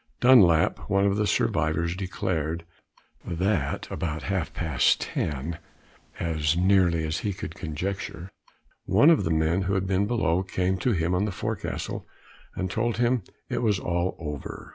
Dunlap, one of the survivors, declared, that about half past ten, as nearly as he could conjecture, one of the men who had been below, came to him on the forecastle, and told him it was all over.